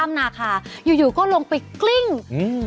ท่ามนาคาอยู่ก็ลงไปกลิ้งลงไปกลิ้ง